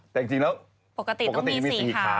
แต่จริงแล้วปกติมี๔ขา